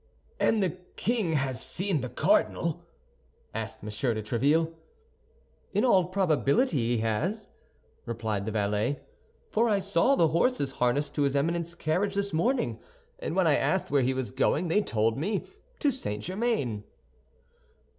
"And the king has seen the cardinal?" asked M. de Tréville. "In all probability he has," replied the valet, "for I saw the horses harnessed to his Eminence's carriage this morning, and when I asked where he was going, they told me, 'To St. Germain.